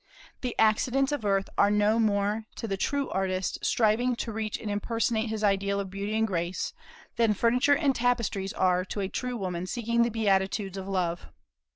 The accidents of earth are no more to the true artist striving to reach and impersonate his ideal of beauty and grace, than furniture and tapestries are to a true woman seeking the beatitudes of love.